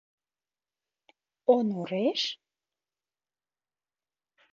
— Онореш?!